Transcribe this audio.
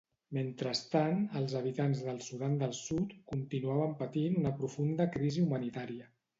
Mentrestant, els habitants del Sudan del Sud continuaven patint una profunda crisi humanitària.